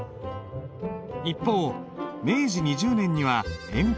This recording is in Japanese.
一方明治２０年には鉛筆。